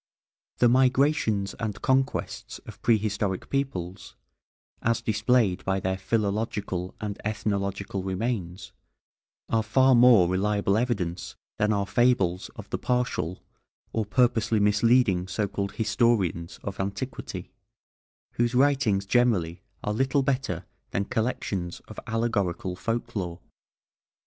The migrations and conquests of prehistoric peoples, as displayed by their philological and ethnological remains, are far more reliable evidence than are fables of the partial, or purposely misleading so called "historians" of antiquity, whose writings generally are little better than collections of allegorical folk lore.